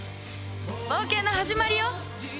冒険の始まりよ！